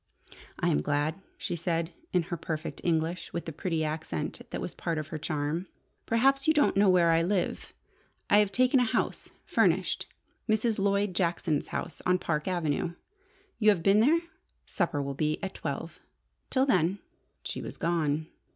"I am glad," she said, in her perfect English, with the pretty accent that was part of her charm. "Perhaps you don't know where I live? I have taken a house, furnished: Mrs. Lloyd Jackson's house on Park Avenue. You have been there? Supper will be at twelve. Till then " She was gone.